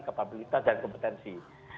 kemampuan dan kompetensi